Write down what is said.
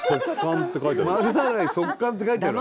「速乾」って書いてある。